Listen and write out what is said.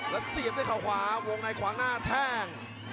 แล้วเสียบด้วยเขาขวาวงในขวางหน้าแท่ง